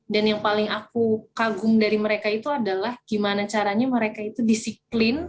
dan yang paling aku kagum dari mereka itu adalah gimana caranya mereka itu disiplin